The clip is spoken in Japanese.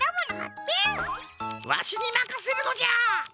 わしにまかせるのじゃ！